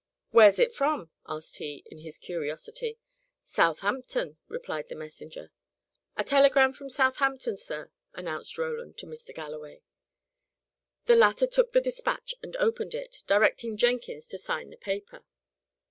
"Where's it from?" asked he, in his curiosity. "Southampton," replied the messenger. "A telegram from Southampton, sir," announced Roland to Mr. Galloway. The latter took the despatch, and opened it, directing Jenkins to sign the paper.